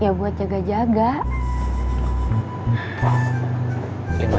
ya buat jaga jaga